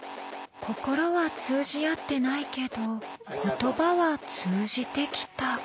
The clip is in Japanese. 心は通じ合ってないけど言葉は通じてきた。